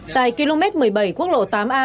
tại km một mươi bảy quốc lộ tám a